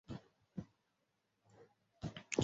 Alama yake ni Au.